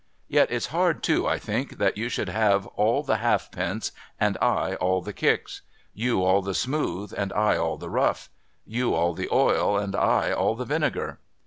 Yet it's hard, too, I think, that you should have all the half pence, and I all the kicks ; you all the smooth, and I all the rough ; you all the oil, and I all the vinegar.'